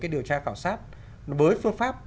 điều tra khảo sát với phương pháp